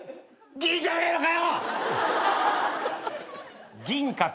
銀じゃねえのかよ！